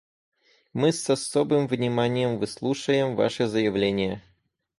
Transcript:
Мы с особым вниманием выслушаем Ваше заявление.